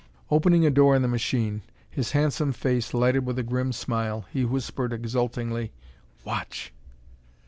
Opening a door in the machine, his handsome face lighted with a grim smile, he whispered exultingly: "Watch!"